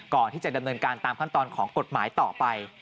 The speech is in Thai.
ก่อนที่จะดำเนินการตามขั้นตอนของกฎหมายต่อไป